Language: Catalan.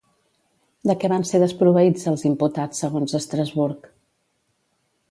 De què van ser desproveïts els imputats segons Estrasburg?